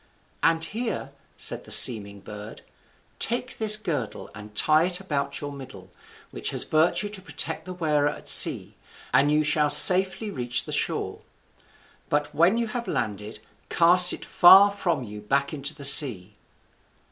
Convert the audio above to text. "And here," said the seeming bird, "take this girdle and tie about your middle, which has virtue to protect the wearer at sea, and you shall safely reach the shore; but when you have landed, cast it far from you back into the sea."